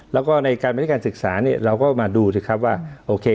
แล้วก็ในการบริการศึกษาเนี่ยเราก็มาดูสิครับว่าโอเค